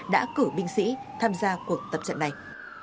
đã cử binh sĩ tham gia cuộc tập trận này